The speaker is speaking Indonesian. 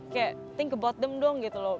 kayak think about them dong gitu loh